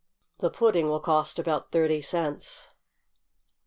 The pudding will cost about thirty cents.